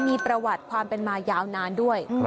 มีประวัติความเป็นมายาวนานด้วย